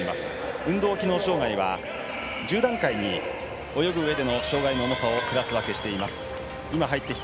運動機能障がいは、１０段階に泳ぐうえでの障がいの重さをクラス分けしています。